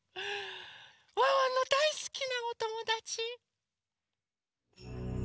ワンワンのだいすきなおともだち。